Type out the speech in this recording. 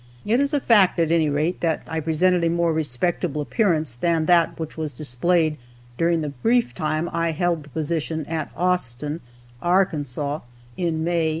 It is a fact, at any rate, that I presented a more respectable appearance than that which was displayed during the brief time I held the position at Austin, Arkansas, in May, 1864.